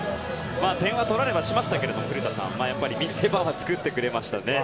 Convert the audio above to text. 点は取られはしましたけど古田さん、見せ場は作ってくれましたね。